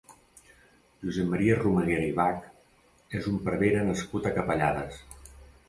Josep Maria Romaguera i Bach és un prevere nascut a Capellades.